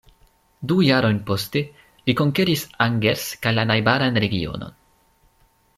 Du jarojn poste, li konkeris Angers kaj la najbarajn regionojn.